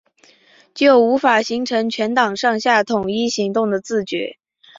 就无法形成全党上下统一行动的自觉